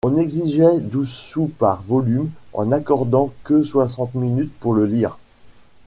On exigeait douze sous par volume en n’accordant que soixante minutes pour le lire.